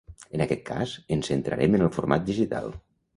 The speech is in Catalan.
En aquest cas, ens centrarem en el format digital.